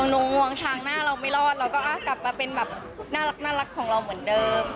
งวงช้างหน้าเราไม่รอดเราก็กลับมาเป็นแบบน่ารักของเราเหมือนเดิม